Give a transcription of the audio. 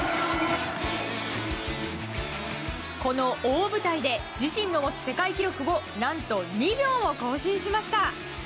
この大舞台で自身の持つ世界記録をなんと２秒も更新しました。